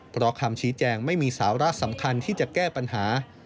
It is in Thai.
เพราะคำชี้แจงไม่มีสาระสำคัญที่จะแก้ปัญหา